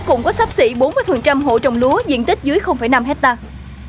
cũng có sắp xỉ bốn mươi hộ trồng lúa diện tích dưới năm hectare